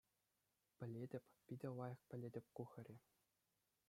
Пӗлетӗп... Питӗ лайӑх пӗлетӗп ку хӗре.